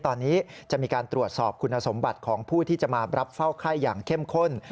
ตอนนี้จะมีการตรวจสอบคุณสมบัติของผู้ที่จะมารับเฝ้าไข้อย่างเข้มข้น